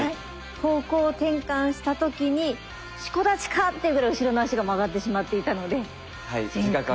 方向転換した時に四股立ちかっていうぐらい後ろの足が曲がってしまっていたので前屈。